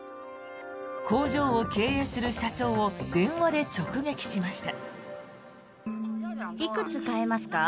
工場を経営する社長を電話で直撃しました。